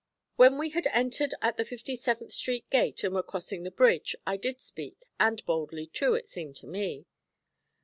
When we had entered at the Fifty seventh Street gate, and were crossing the bridge, I did speak, and boldly too, it seemed to me.